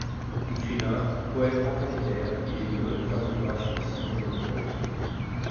Écrivain, poète pamphlétaire, il est l'auteur de trois ouvrages et de centaines de poèmes.